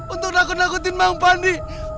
untuk nakut nakutin mama pandi